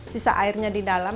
sisa airnya di dalam